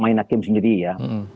main hakim sendiri ya